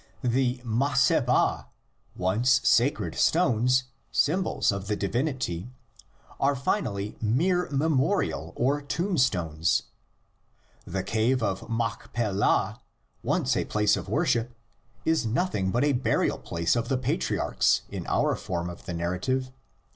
The Massebha, once sacred stones, symbols of the divinity, are finally mere memorial or tomb stones. The cave of Machpelah, once a place of worship, is nothing but the burial place of the patriarchs in our form of the narrative.